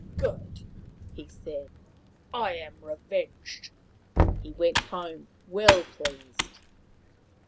" Good !" he said. " I am revenged." He went home well pleased.